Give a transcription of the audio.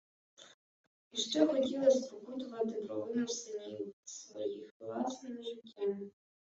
І ще хотіла спокутувати провину синів своїх власним життям.